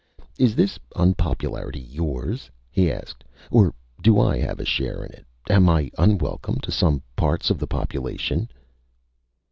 "Is this unpopularity yours?" he asked. "Or do I have a share in it? Am I unwelcome to some parts of the population?"